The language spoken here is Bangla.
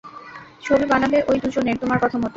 ছবি বানাবে ঐ দুজনের, তোমার কথামতো।